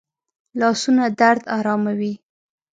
لاسونه درد آراموي